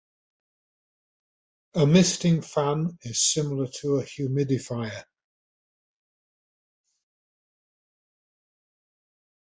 A misting fan is similar to a humidifier.